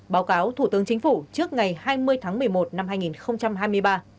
báo cáo thủ tướng chính phủ trước ngày hai mươi tháng một mươi một năm hai nghìn hai mươi ba